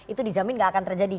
itu dijamin nggak akan terjadi